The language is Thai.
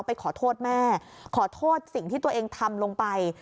ไปขอโทษแม่ขอโทษสิ่งที่ตัวเองทำลงไป